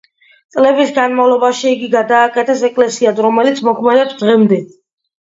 წლების განმავლობაში იგი გადააკეთეს ეკლესიად, რომელიც მოქმედებს დღემდე.